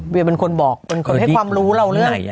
เป็นคนบอกเป็นคนให้ความรู้เราเรื่อง